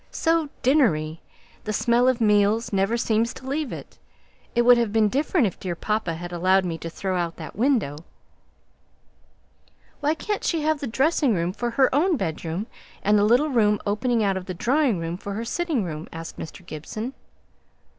so dinnery, the smell of meals never seems to leave it; it would have been different if dear papa had allowed me to throw out that window " "Why can't she have the dressing room for her bedroom, and the little room opening out of the drawing room for her sitting room?" asked Mr. Gibson.